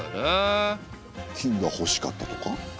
金がほしかったとか？